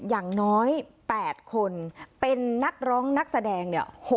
อย่างน้อย๘คนเป็นนักร้องนักแสดงเนี่ย